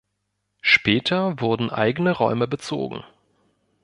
Später wurden eigene Räume bezogen.